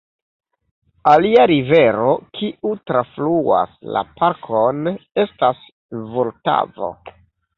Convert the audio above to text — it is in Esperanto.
Alia rivero, kiu trafluas la parkon, estas Vultavo.